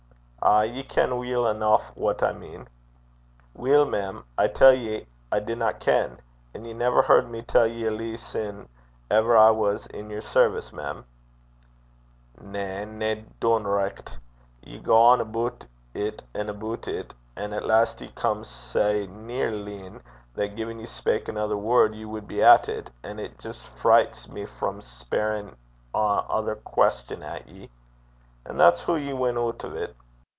'Ay. Ye ken weel eneuch what I mean.' 'Weel, mem, I tell ye I dinna ken. An' ye never heard me tell ye a lee sin' ever I was i' yer service, mem.' 'Na, nae doonricht. Ye gang aboot it an' aboot it, an' at last ye come sae near leein' that gin ye spak anither word, ye wad be at it; and it jist fleys (frights) me frae speirin' ae ither question at ye. An' that's hoo ye win oot o' 't.